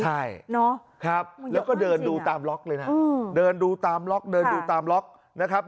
ใช่แล้วก็เดินดูตามล็อคเลยนะเดินดูตามล็อคนะครับ